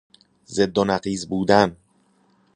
ضد و نقیض بودن